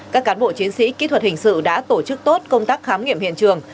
các cán bộ chiến sĩ kỹ thuật hình sự đã tổ chức tốt công tác khám nghiệm hiện trường